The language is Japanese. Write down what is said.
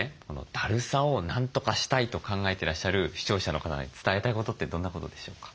だるさをなんとかしたいと考えてらっしゃる視聴者の方に伝えたいことってどんなことでしょうか？